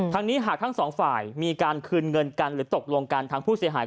นี้หากทั้งสองฝ่ายมีการคืนเงินกันหรือตกลงกันทางผู้เสียหาย